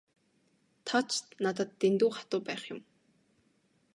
Та ч надад дэндүү хатуу байх юм.